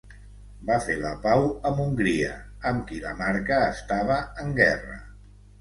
Va fer la pau amb Hongria amb qui la marca estava en guerra.